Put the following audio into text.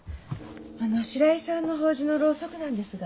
あの白井さんの法事のろうそくなんですが。